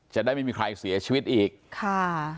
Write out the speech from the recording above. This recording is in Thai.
จะได้ไม่มีใครเสียชีวิตอีกค่ะ